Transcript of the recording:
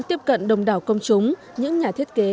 tiếp cận đồng đảo công chúng những nhà thiết kế